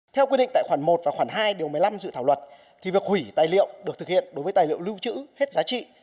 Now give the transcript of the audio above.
theo quy định tại khoản một và khoản hai điều một mươi năm dự thảo luật thì việc hủy tài liệu được thực hiện đối với tài liệu lưu trữ hết giá trị